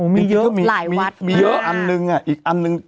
มีเยอะอันหนึ่งอีกอันหนึ่ง